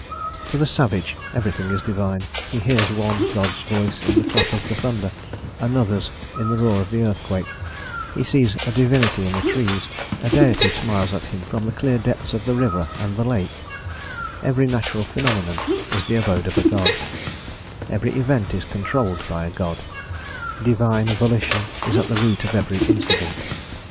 To the savage everything is divine; he hears one God's voice in the clap of the thunder, another's in the roar of the earthquake, he sees a divinity in the trees, a deity smiles at him from the clear depths of the river and the lake; every natural phenomenon is the abode of a god; every event is controlled by a god; divine volition is at the root of every incident.